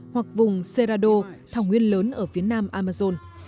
hoặc vùng serado thảo nguyên lớn ở phía nam amazon